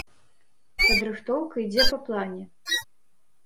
Падрыхтоўка ідзе па плане.